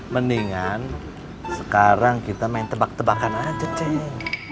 mendingan sekarang kita main tebak tebakan aja kayaknya